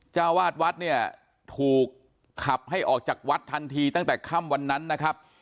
เจ้าวาดวัดเนี่ยถูกขับให้ออกจากวัดทันทีตั้งแต่ค่ำวันนั้นนะครับ